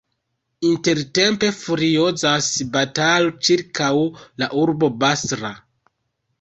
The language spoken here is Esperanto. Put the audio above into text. Intertempe furiozas batalo ĉirkaŭ la urbo Basra.